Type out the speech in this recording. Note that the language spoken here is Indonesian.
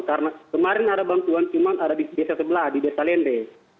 karena kemarin ada bantuan cuma ada di desa sebelah di desa lende